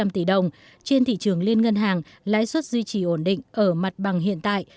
trên thị trường liên ngân hàng lãi suất duy trì ổn định ở mặt bằng hiện tại